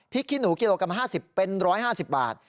พริกขี้หนูกิโลกรัมละ๕๐บาทเป็น๑๕๐บาท